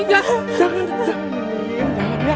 jangan jangan biar nanti apaan yang ke sana